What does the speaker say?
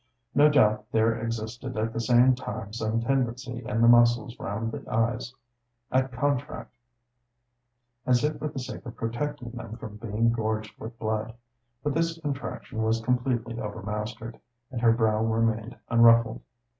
No doubt there existed at the same time some tendency in the muscles round the eyes at contract, as if for the sake of protecting them from being gorged with blood, but this contraction was completely overmastered, and her brow remained unruffled.